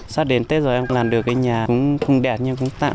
sắp đến tết rồi em làm được cái nhà nó không đẹp nhưng cũng tạm